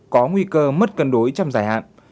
cơ mất cân đối trong dài hạn